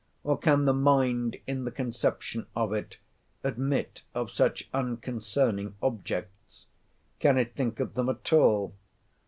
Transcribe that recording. or can the mind in the conception of it admit of such unconcerning objects? can it think of them at all?